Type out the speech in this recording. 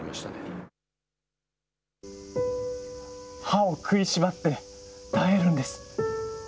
歯を食いしばって耐えるんです。